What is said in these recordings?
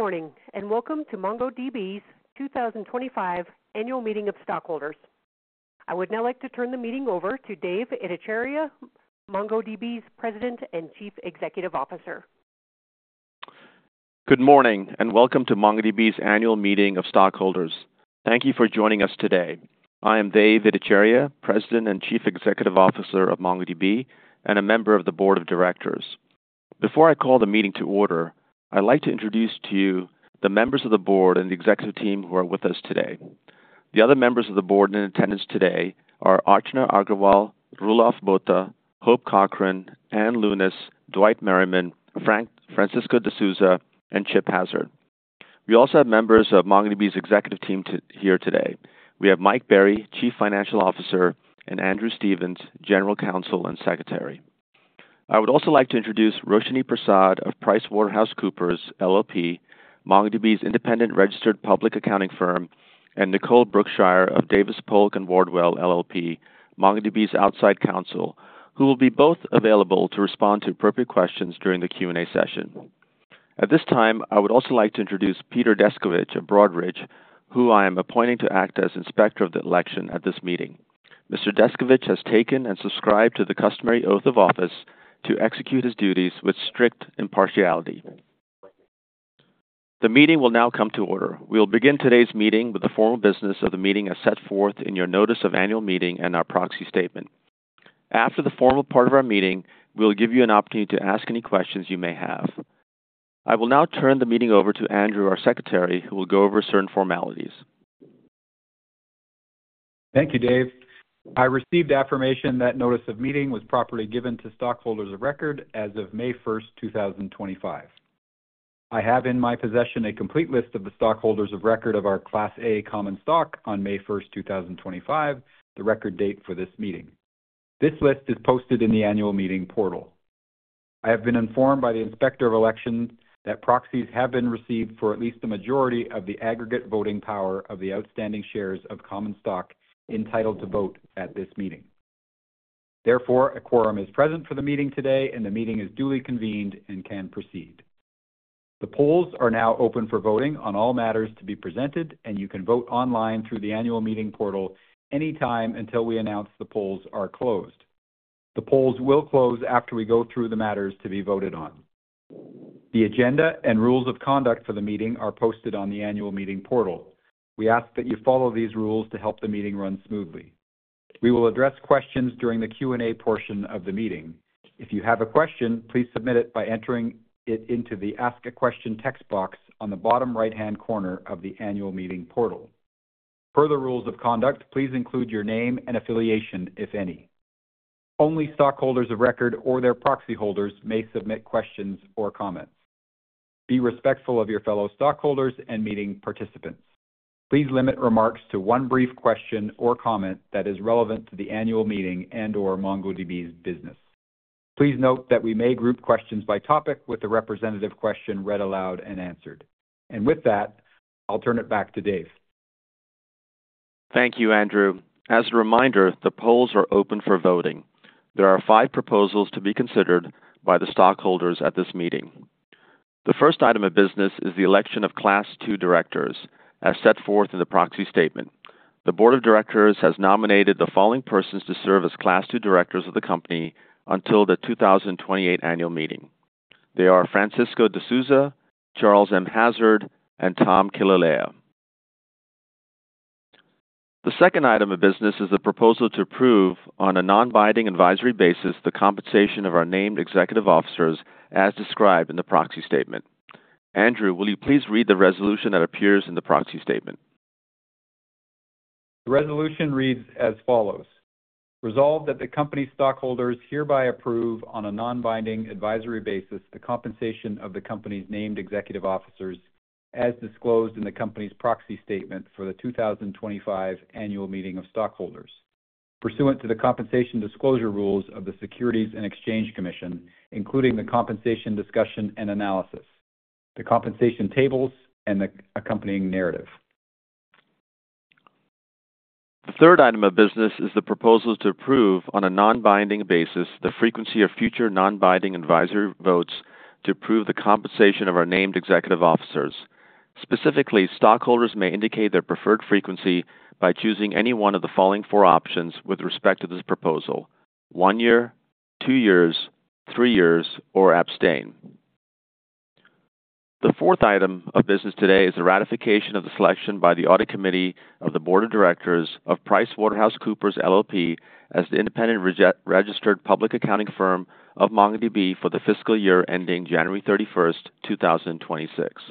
Good morning and welcome to MongoDB's 2025 Annual Meeting of Stockholders. I would now like to turn the meeting over to Dev Ittycheria, MongoDB's President and Chief Executive Officer. Good morning and welcome to MongoDB's Annual Meeting of Stockholders. Thank you for joining us today. I am Dev Ittycheria, President and Chief Executive Officer of MongoDB and a member of the Board of Directors. Before I call the meeting to order, I'd like to introduce to you the members of the board and the executive team who are with us today. The other members of the board in attendance today are Archana Agarwal, Roelof Botha, Hope Cochran, Anne Lounis, Dwight Merriman, Francisco de Souza, and Chip Hazard. We also have members of MongoDB's executive team here today. We have Mike Berry, Chief Financial Officer, and Andrew Stephens, General Counsel and Secretary. I would also like to introduce Roshini Prasad of PricewaterhouseCoopers, LLP, MongoDB's independent registered public accounting firm, and Nicole Brookshire of Davis Polk & Wardwell, LLP, MongoDB's outside counsel, who will be both available to respond to appropriate questions during the Q&A session. At this time, I would also like to introduce Peter Descovich of Broadridge, who I am appointing to act as Inspector of Election at this meeting. Mr. Descovich has taken and subscribed to the customary oath of office to execute his duties with strict impartiality. The meeting will now come to order. We will begin today's meeting with the formal business of the meeting as set forth in your Notice of Annual Meeting and our proxy statement. After the formal part of our meeting, we will give you an opportunity to ask any questions you may have. I will now turn the meeting over to Andrew, our Secretary, who will go over certain formalities. Thank you, Dev. I received affirmation that Notice of Meeting was properly given to stockholders of record as of May 1, 2025. I have in my possession a complete list of the stockholders of record of our Class A Common Stock on May 1, 2025, the record date for this meeting. This list is posted in the Annual Meeting portal. I have been informed by the Inspector of Elections that proxies have been received for at least the majority of the aggregate voting power of the outstanding shares of Common Stock entitled to vote at this meeting. Therefore, a quorum is present for the meeting today, and the meeting is duly convened and can proceed. The polls are now open for voting on all matters to be presented, and you can vote online through the Annual Meeting portal any time until we announce the polls are closed. The polls will close after we go through the matters to be voted on. The agenda and rules of conduct for the meeting are posted on the Annual Meeting portal. We ask that you follow these rules to help the meeting run smoothly. We will address questions during the Q&A portion of the meeting. If you have a question, please submit it by entering it into the Ask a Question text box on the bottom right-hand corner of the Annual Meeting portal. For the rules of conduct, please include your name and affiliation, if any. Only stockholders of record or their proxy holders may submit questions or comments. Be respectful of your fellow stockholders and meeting participants. Please limit remarks to one brief question or comment that is relevant to the Annual Meeting and/or MongoDB's business. Please note that we may group questions by topic with the representative question read aloud and answered. With that, I'll turn it back to Dev. Thank you, Andrew. As a reminder, the polls are open for voting. There are five proposals to be considered by the stockholders at this meeting. The first item of business is the election of Class Two Directors, as set forth in the proxy statement. The Board of Directors has nominated the following persons to serve as Class Two Directors of the company until the 2028 Annual Meeting. They are Francisco de Souza, Charles M. Hazard, and Tom Killelea. The second item of business is the proposal to approve, on a non-binding advisory basis, the compensation of our named executive officers as described in the proxy statement. Andrew, will you please read the resolution that appears in the proxy statement? The resolution reads as follows: Resolved that the company's stockholders hereby approve, on a non-binding advisory basis, the compensation of the company's named executive officers as disclosed in the company's proxy statement for the 2025 Annual Meeting of Stockholders, pursuant to the compensation disclosure rules of the Securities and Exchange Commission, including the compensation discussion and analysis, the compensation tables, and the accompanying narrative. The third item of business is the proposal to approve, on a non-binding basis, the frequency of future non-binding advisory votes to approve the compensation of our named executive officers. Specifically, stockholders may indicate their preferred frequency by choosing any one of the following four options with respect to this proposal: one year, two years, three years, or abstain. The fourth item of business today is the ratification of the selection by the Audit Committee of the Board of Directors of PricewaterhouseCoopers, LLP, as the independent registered public accounting firm of MongoDB for the fiscal year ending January 31, 2026.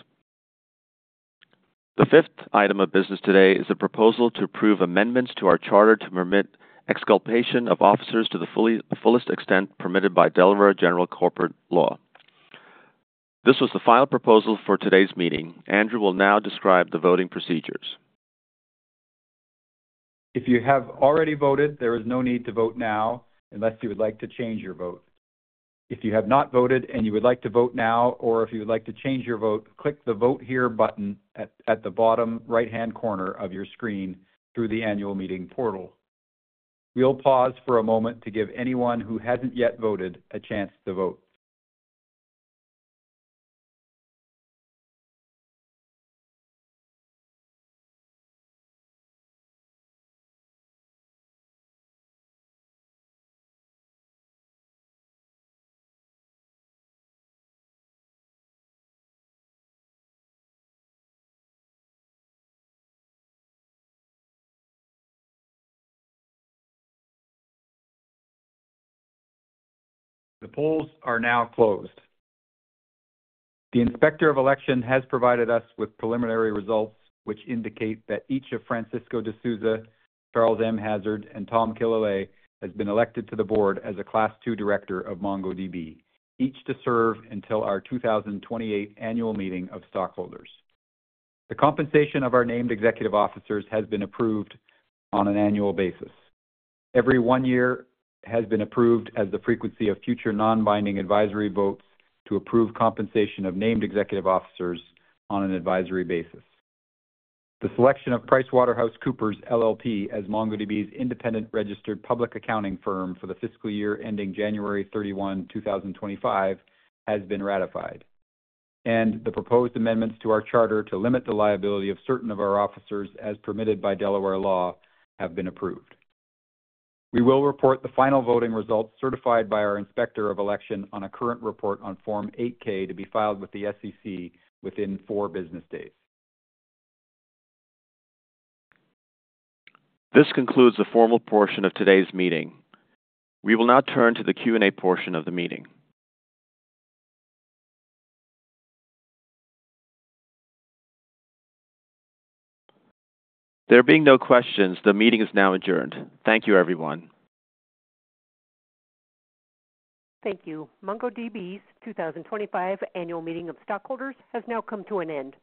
The fifth item of business today is the proposal to approve amendments to our charter to permit exculpation of officers to the fullest extent permitted by Delaware General Corporate Law. This was the final proposal for today's meeting. Andrew will now describe the voting procedures. If you have already voted, there is no need to vote now unless you would like to change your vote. If you have not voted and you would like to vote now, or if you would like to change your vote, click the Vote Here button at the bottom right-hand corner of your screen through the Annual Meeting portal. We'll pause for a moment to give anyone who hasn't yet voted a chance to vote. The polls are now closed. The Inspector of Election has provided us with preliminary results which indicate that each of Francisco de Souza, Charles M. Hazard, and Tom Killelea has been elected to the board as a Class Two Director of MongoDB, each to serve until our 2028 Annual Meeting of Stockholders. The compensation of our named executive officers has been approved on an annual basis. Every one year has been approved as the frequency of future non-binding advisory votes to approve compensation of named executive officers on an advisory basis. The selection of PricewaterhouseCoopers, LLP as MongoDB's independent registered public accounting firm for the fiscal year ending January 31, 2025, has been ratified, and the proposed amendments to our charter to limit the liability of certain of our officers, as permitted by Delaware law, have been approved. We will report the final voting results certified by our Inspector of Election on a current report on Form 8-K to be filed with the U.S. Securities and Exchange Commission within four business days. This concludes the formal portion of today's meeting. We will now turn to the Q&A portion of the meeting. There being no questions, the meeting is now adjourned. Thank you, everyone. Thank you. MongoDB's 2025 Annual Meeting of Stockholders has now come to an end.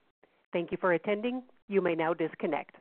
Thank you for attending. You may now disconnect.